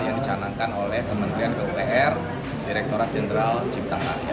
yang dicanangkan oleh kementerian pupr direkturat jenderal cipta karya